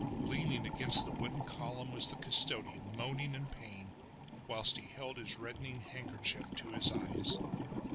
Leaning against the wooden column was the custodian moaning in pain whilst he held his reddening handkerchief to his eyes.